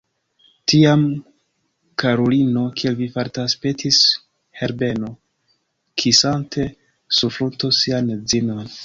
Tiam, karulino, kiel vi fartas? petis Herbeno, kisante sur frunto sian edzinon.